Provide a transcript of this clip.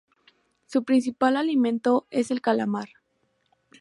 Su principal alimento es el calamar.